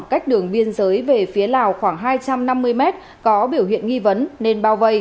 cách đường biên giới về phía lào khoảng hai trăm năm mươi mét có biểu hiện nghi vấn nên bao vây